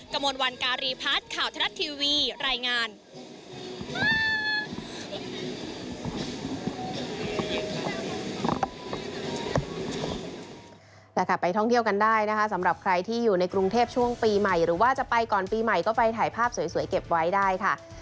กระมวลวันการีพัฒน์ข่าวทรัฐทีวีรายงาน